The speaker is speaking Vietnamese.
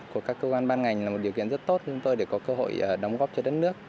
của các cơ quan ban ngành là một điều kiện rất tốt chúng tôi để có cơ hội đóng góp cho đất nước